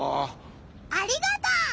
ありがとう！